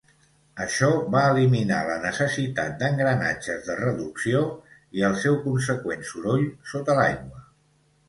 Això va eliminar la necessitat d'engranatges de reducció i el seu conseqüent soroll sota l'aigua.